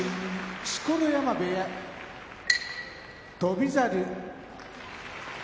錣山部屋翔猿